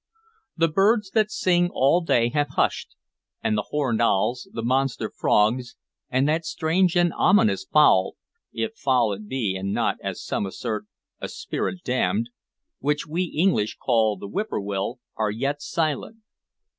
The birds that sing all day have hushed, and the horned owls, the monster frogs, and that strange and ominous fowl (if fowl it be, and not, as some assert, a spirit damned) which we English call the whippoorwill, are yet silent.